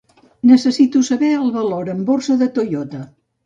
Necessito saber el valor en borsa de Toyota.